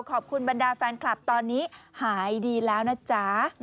ขอบคุณบรรดาแฟนคลับตอนนี้หายดีแล้วนะจ๊ะ